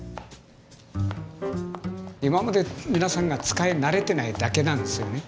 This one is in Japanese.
今まで皆さんが使い慣れてないだけなんですよね。